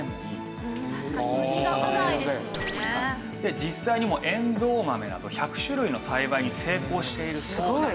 実際にもえんどう豆など１００種類の栽培に成功しているそうなんです。